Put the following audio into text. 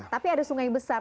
tapi ada sungai besar